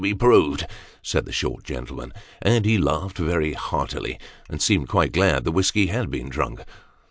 be proved," said the short gentleman ; and he laughed very heartily, and Beemed quite glad the whiskey had been drunk.